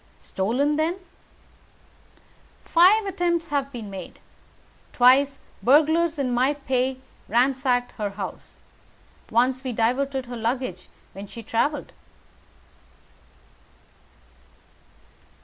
"Stolen, then." "Five attempts have been made. Twice burglars in my pay ransacked her house. Once we diverted her luggage when she travelled.